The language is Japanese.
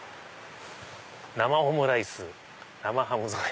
「生オムライス生ハム添え」。